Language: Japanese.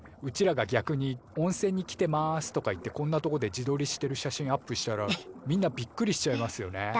うちらが逆に「温泉に来てます」とか言ってこんなとこで自どりしてる写真アップしたらみんなびっくりしちゃいますよね。